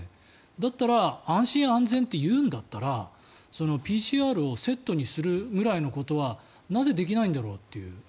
だったら、安心安全って言うんだったらＰＣＲをセットにするぐらいのことはなぜできないんだろうという。